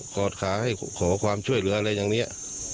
กอดขาให้ขอความช่วยเหลืออะไรอย่างนี้